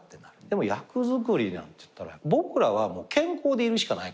でも役作りなんていったら僕らは健康でいるしかないから。